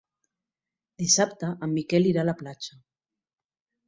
Dissabte en Miquel irà a la platja.